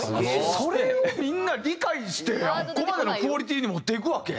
それをみんな理解してあそこまでのクオリティーに持っていくわけ？